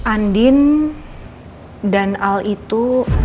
andin dan al itu